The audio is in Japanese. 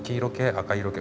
赤色系？